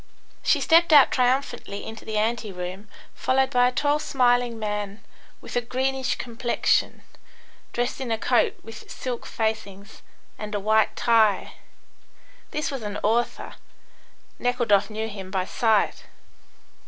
She stepped out triumphantly into the ante room, followed by a tall, smiling man, with a greenish complexion, dressed in a coat with silk facings, and a white tie. This was an author. Nekhludoff knew him by sight.